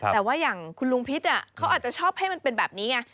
แต่ว่าอย่างคุณลุงพิษเขาอาจจะชอบให้มันเป็นแบบนี้ไง